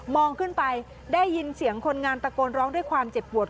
ขึ้นไปได้ยินเสียงคนงานตะโกนร้องด้วยความเจ็บปวด